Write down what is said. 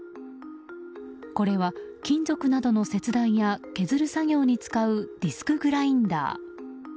これは、金属などの切断や削る作業に使うディスクグラインダー。